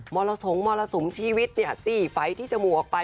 มรสงค์มรสมชีวิตจี่ไฟท์ที่จะหมู่ออกไป